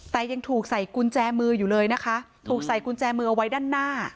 แต่ยังถูกใส่กุญแจมืออยู่เลยนะคะถูกใส่กุญแจมือเอาไว้ด้านหน้า